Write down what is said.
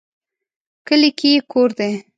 کلي کې یې کور دی